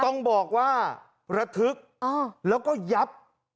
ต้องบอกว่าระทึกแล้วก็ยับ